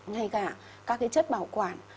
ngay cả các chất bảo quản